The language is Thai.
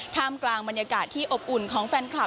ท่ามกลางบรรยากาศที่อบอุ่นของแฟนคลับ